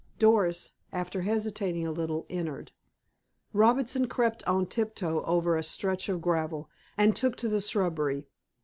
Doris, after hesitating a little, entered. Robinson crept on tiptoe over a stretch of gravel, and took to the shrubbery.